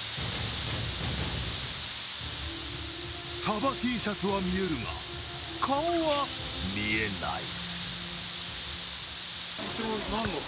サバＴシャツは見えるが顔は見えない。